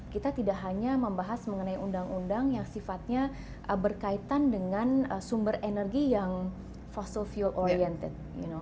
kita tidak hanya membahas mengenai undang undang yang sifatnya berkaitan dengan sumber energi yang fossil fuel oriented